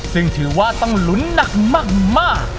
ซึ่งถือว่าต้องลุ้นหนักมาก